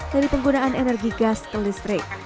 dari penggunaan energi gas ke listrik